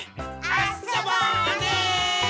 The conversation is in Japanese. あそぼうね！